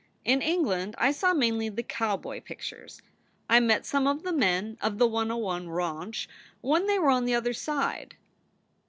In England I saw mainly the cowboy pictures. I met some of the men of the 10 1 Ranch when they were on the other side."